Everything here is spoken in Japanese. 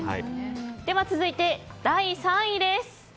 続いて、第３位です。